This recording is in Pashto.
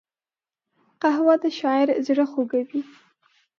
قهوه د شاعر زړه خوږوي